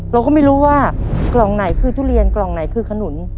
เราก็ไม่รู้ว่ากล่องไหนคือทุเรียนกล่องไหนคือขนุน